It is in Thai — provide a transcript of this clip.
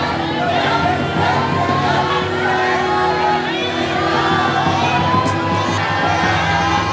หยุด